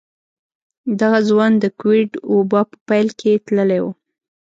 دغه ځوان د کوويډ وبا په پيل کې تللی و.